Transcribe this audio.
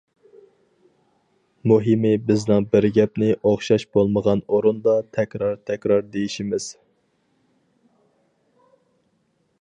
مۇھىمى بىزنىڭ بىر گەپنى ئوخشاش بولمىغان ئورۇندا تەكرار-تەكرار دېيىشىمىز.